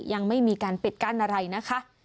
ยังไม่มีการปิดกั้นอะไรนะคะ